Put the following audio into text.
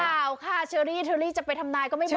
ข่าวค่ะเชอรี่เชอรี่จะไปทำนายก็ไม่บอก